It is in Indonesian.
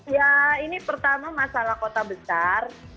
ya ini pertama masalah kota besar